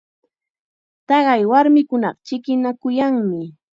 Taqay warmikunaqa chikinakuyanmi.